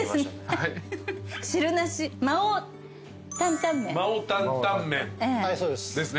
はいそうです。